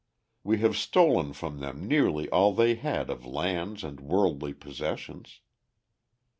We have stolen from them nearly all they had of lands and worldly possessions.